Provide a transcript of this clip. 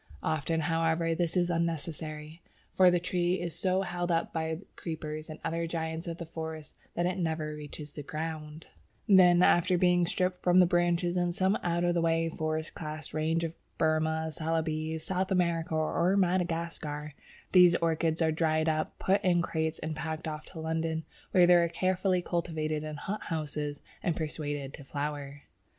Often, however, this is unsuccessful, for the tree is so held up by creepers and other giants of the forest that it never reaches the ground! [Illustration: Photo Skeen and Co. CINNAMON PEELING IN CEYLON] Then, after being stripped from the branches, in some out of the way forest clad range of Burma, Celebes, South America, or Madagascar, these orchids are dried, put up in crates and packed off to London, where they are carefully cultivated in hot houses and persuaded to flower.